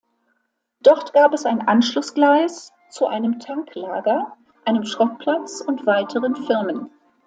Dort gab es ein Anschlussgleis zu einem Tanklager, einem Schrottplatz und weiteren Firmen.